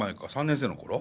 ３年生の頃？